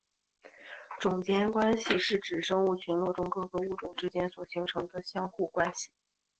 种间关系是指生物群落中各个物种之间所形成相互关系。